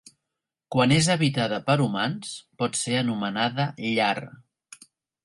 Quan és habitada per humans, pot ser anomenada llar.